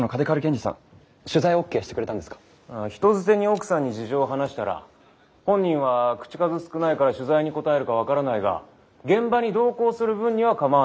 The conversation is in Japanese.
人づてに奥さんに事情を話したら「本人は口数少ないから取材に応えるか分からないが現場に同行する分には構わない」と。